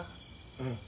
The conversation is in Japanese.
うん。